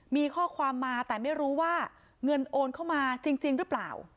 มีข้อความมาแต่ไม่รู้ว่าเงินโอนเข้ามาจริงหรือเปล่า